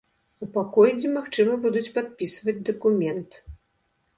У пакой дзе магчыма будуць падпісваць дакумент.